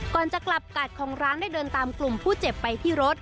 ก่อนจะกลับกาดของร้านได้เดินตามกลุ่มผู้เจ็บไปที่รถ